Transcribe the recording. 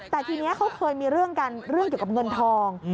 แต่ทีนี้เขาเคยมีเรื่องกันเรื่องเกี่ยวกับเงินทอง